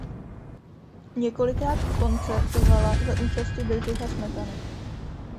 Několikrát koncertovala za účasti Bedřicha Smetany.